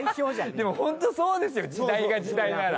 でもホントそうですよ時代が時代なら。